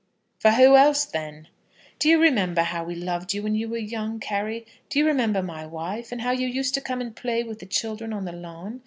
"] "For who else, then?" "Do you remember how we loved you when you were young, Carry? Do you remember my wife, and how you used to come and play with the children on the lawn?